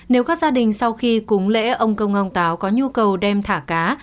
nếu các gia đình sau khi cúng lễ ông công ông táo có nhu cầu đem thả cá